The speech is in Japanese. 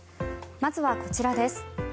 まずはこちらです。